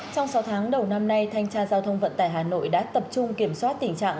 trong sáu tháng đầu năm nay thanh tra giao thông vận tải hà nội đã tập trung kiểm soát tình trạng